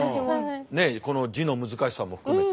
この字の難しさも含めて。